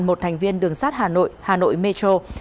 một thành viên đường sát hà nội hà nội metro